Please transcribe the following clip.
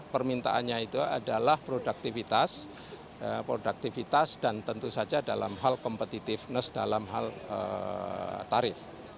permintaannya itu adalah produktivitas produktivitas dan tentu saja dalam hal competitiveness dalam hal tarif